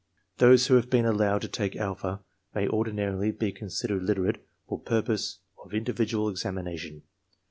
— Those who have been allowed to take alpha may ordinarily be considered literate for purpose of individual ex amination.